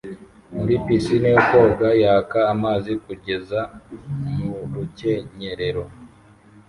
muri pisine yo koga yaka amazi kugeza mu rukenyerero